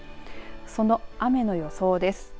その雨の予想です。